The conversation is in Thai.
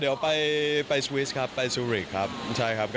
เดี๋ยวไปสวิสครับไปสุริคค์ครับ